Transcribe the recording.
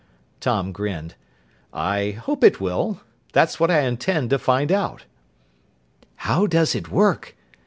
Tom grinned. "I hope it will. That's what I intend to find out." "How does it work?"